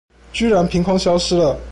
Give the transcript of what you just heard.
居然憑空消失了